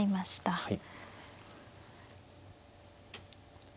はい。